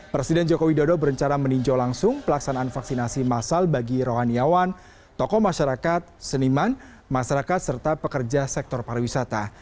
presiden joko widodo berencana meninjau langsung pelaksanaan vaksinasi masal bagi rohaniawan tokoh masyarakat seniman masyarakat serta pekerja sektor pariwisata